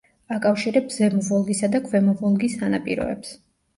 აკავშირებს ზემო ვოლგისა და ქვემო ვოლგის სანაპიროებს.